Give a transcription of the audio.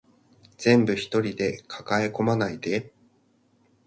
全部一人で抱え込まないで